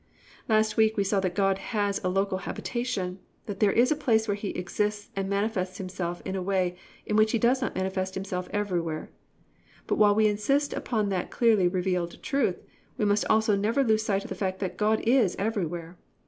"+ Last week we saw that God has a local habitation, that there is a place where He exists and manifests Himself in a way in which He does not manifest Himself everywhere; but while we insist upon that clearly revealed truth, we must also never lose sight of the fact that God is everywhere.